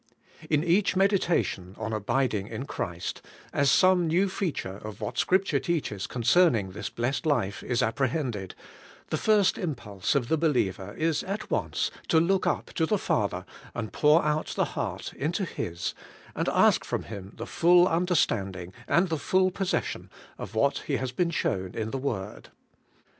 In each meditation on Abiding in Christ, as some new feature of what Scripture teaches concerning this blessed life is apprehended, the first impulse of the believer is at once to look up to the Father and pour out the heart into His, and ask from Him the full understanding and the full possession of what he has been shown in the Word.